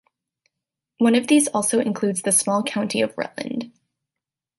One of these also includes the small county of Rutland.